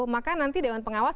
maka nanti dewan pengawas